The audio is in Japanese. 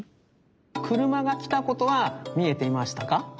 くるまがきたことはみえていましたか？